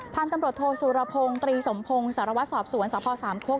พันธุ์ตำรวจโทสุรพงศ์ตรีสมพงศ์สารวัตรสอบสวนสพสามโคก